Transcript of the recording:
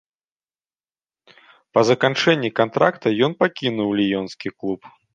Па заканчэнні кантракта ён пакінуў ліёнскі клуб.